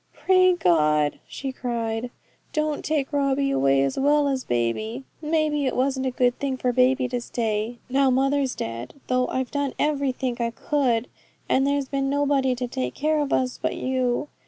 'Pray God,' she cried, 'don't take Robbie away as well as baby. Maybe it wasn't a good thing for baby to stay, now mother's dead, though I've done everythink I could, and there's been nobody to take care of us but You.